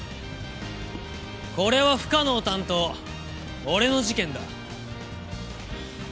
これは不可能担当俺の事件だ。